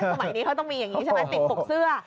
สมัยนี้เขาต้องมีอย่างนี้ใช่ไหมติดปกเสื้อ